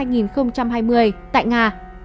năm hai nghìn hai mươi tại nga